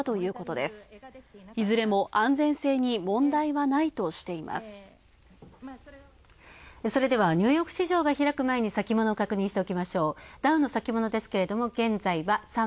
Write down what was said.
では、２２日のニューヨーク市場が開く前に先物を確認しておきましょう。